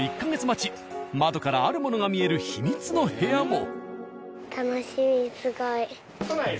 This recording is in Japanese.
待ち窓からあるものが見える秘密の部屋も。